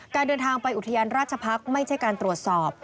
การเดินทางไปอุทยานราชพักษ์ไม่ใช่การตรวจสอบ